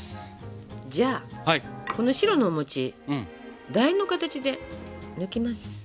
じゃあこの白のお餅だ円の形で抜きます。